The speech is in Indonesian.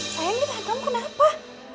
sayang ditahan kamu kenapa